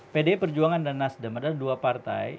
pd perjuangan dan nasdem adalah dua partai